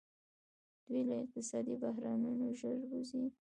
دوی له اقتصادي بحرانونو ژر وځي.